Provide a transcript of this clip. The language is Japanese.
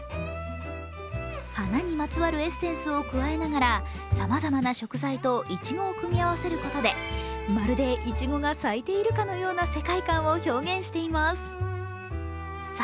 花にまつわるエッセンスを加えながら、さまざまな食材といちごを組み合わせることで、まるでいちごが咲いているかのような世界観を表現しています。